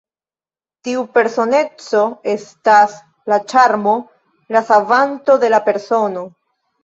Tiu personeco estas la ĉarmo, la savanto de la persono.